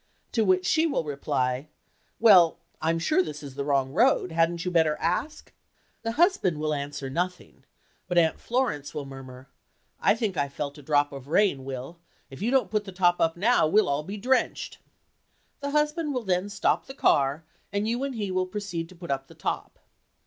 to which she will reply, "Well, I'm sure this is the wrong road. Hadn't you better ask?" The husband will answer nothing, but Aunt Florence will murmur, "I think I felt a drop of rain, Will. If you don't put the top up now, we'll all be drenched." The husband will then stop the car, and you and he will proceed to put up the top.